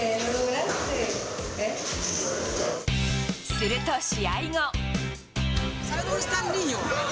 すると試合後。